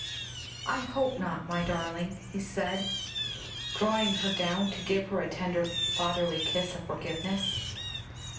"I hope not, my darling," he said, drawing her down to give her a tender fatherly kiss of forgiveness.